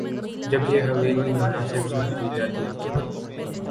جب یہ حویلی مناسب سمجھی جاتی تھی۔